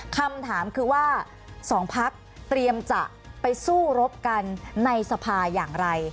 คำถามคือว่า๒พักเตรียมจะไปสู้รบกันในสภาอย่างไร